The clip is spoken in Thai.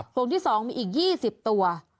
วงที่๒มีอีก๒๐ตัว